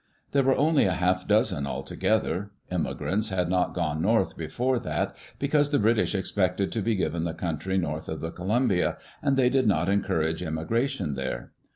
There were only a half dozen altogether. Emi grants had not gone north before that because the British expected to be given the country north of the Columbia, and they did not encourage emigration there.